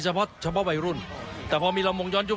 เฉพาะเฉพาะวัยรุ่นแต่พอมีลำวงย้อนยุค